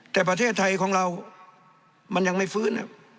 แต่ประเทศไทยของเรามันยังไม่ฟื้น